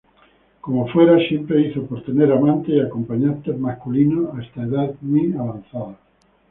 Como fuera, siempre hizo por tener amantes y acompañantes masculinos hasta edad muy avanzada.